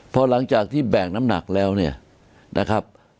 พอหลังจากที่แบ่งน้ำหนักแล้วเนี่ยนะครับ